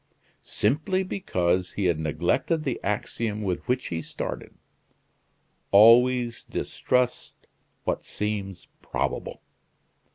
Simply because he had neglected the axiom with which he started: "Always distrust what seems probable!"